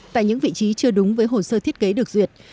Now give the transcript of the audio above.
tại những vị trí chưa đúng với hồ sơ thiết kế được duyệt